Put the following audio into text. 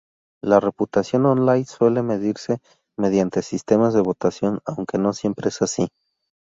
La reputación online suele medirse mediante sistemas de votación, Aunque no siempre es así.